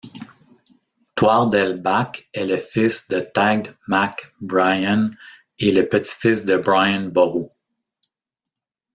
Toirdelbach est le fils de Tagd mac Briain et le petit-fils de Brian Boru.